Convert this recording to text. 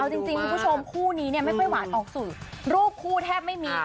โอ้โหเอาจริงคุณผู้ชมคู่นี้ไม่ไปหวานออกสู่รูปคู่แทบไม่มี